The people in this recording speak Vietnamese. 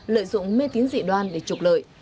lợi dụng mê tín dị đoan để trục lợi